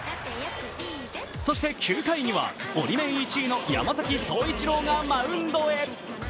そして９回にはオリメン１位の山崎颯一郎がマウンドへ。